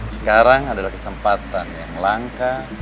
sekarang adalah kesempatan yang langka